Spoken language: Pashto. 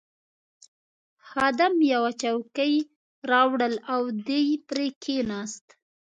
خادم یوه چوکۍ راوړل او دی پرې کښېناست.